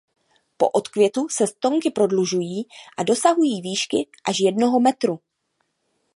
Po odkvětu se stonky prodlužují a dosahují výšky až jednoho metru.